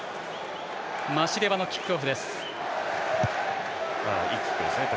マシレワのキックオフです。